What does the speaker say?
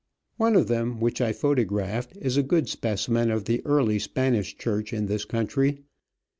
One of them, which I photographed, is a good specimen of the early Spanish church in this country.